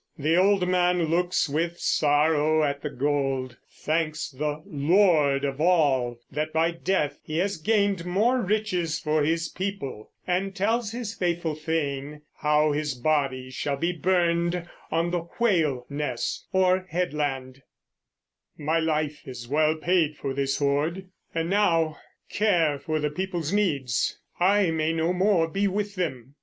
The old man looks with sorrow at the gold, thanks the "Lord of all" that by death he has gained more riches for his people, and tells his faithful thane how his body shall be burned on the Whale ness, or headland: "My life is well paid for this hoard; and now Care for the people's needs. I may no more Be with them.